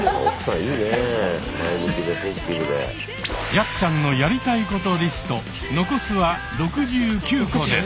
やっちゃんのやりたいことリスト残すは６９個です。